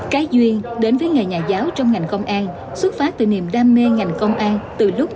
cá duy đến với nghề nhà giáo trong ngành công an xuất phát từ niềm đam mê ngành công an từ lúc